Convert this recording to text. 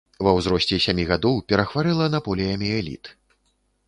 Ва ўзросце сямі гадоў перахварэла на поліяміэліт.